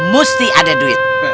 mesti ada duit